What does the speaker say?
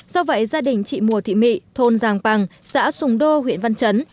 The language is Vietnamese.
do vậy gia đình chị mùa thị mị thôn giàng bằng xã sùng đô huyện văn chấn